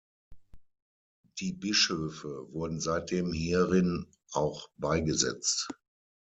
Die Bischöfe wurden seitdem hierin auch beigesetzt.